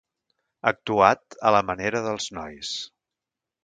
Actuat a la manera dels nois.